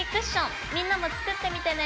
みんなも作ってみてね！